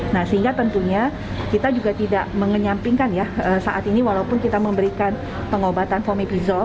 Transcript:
nah sehingga tentunya kita juga tidak mengenyampingkan ya saat ini walaupun kita memberikan pengobatan fomepizol